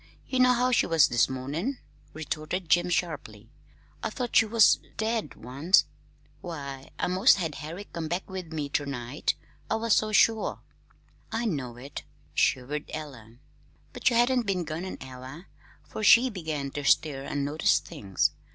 You know how she was this mornin'," retorted Jim sharply. "I thought she was dead once. Why, I 'most had Herrick come back with me ter night, I was so sure." "I know it," shivered Ella, "but you hadn't been gone an hour 'fore she began to stir an' notice things.